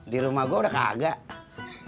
di rumah gue udah kagak